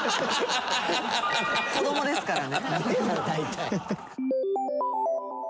子どもですからね。